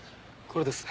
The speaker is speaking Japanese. これです。